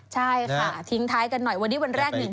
ใช่ค่ะทิ้งท้ายกันหน่อยวันนี้วันแรกหนึ่ง